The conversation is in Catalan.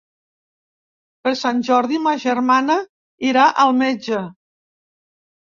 Per Sant Jordi ma germana irà al metge.